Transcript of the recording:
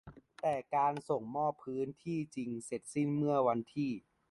แต่การส่งมอบพื้นที่จริงเสร็จสิ้นเมื่อวันที่